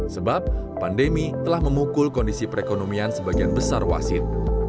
sebab pandemi telah memukul kondisi perekonomian sebagian besar wasit